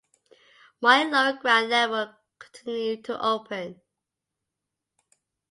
Myer lower ground level continued to open.